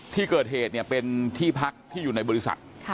ที่เกิดเหตุเนี่ยเป็นที่พักที่อยู่ในบริษัท